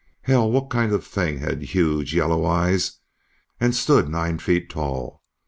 Hell, what kind of thing had huge, yellow eyes and stood nine feet tall?